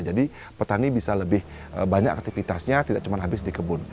jadi petani bisa lebih banyak aktivitasnya tidak cuma habis di kebun